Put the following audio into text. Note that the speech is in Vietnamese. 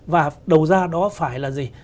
và đầu ra đó phải là gì